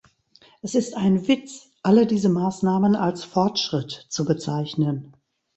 Es ist ein Witz, alle diese Maßnahmen als Fortschritt zu bezeichnen.